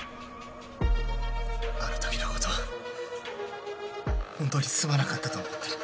あのときのことは本当にすまなかったと思ってる。